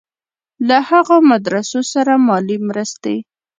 له هغو مدرسو سره مالي مرستې.